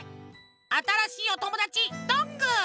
あたらしいおともだちどんぐー。